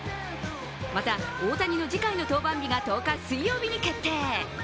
また、大谷の次回の登板日が１０日水曜日に決定。